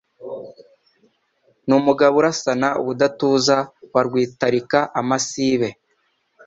ni Mugabo urasana ubudatuza wa Rwitarika amasibe